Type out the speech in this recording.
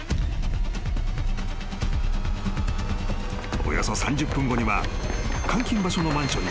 ［およそ３０分後には監禁場所のマンションに］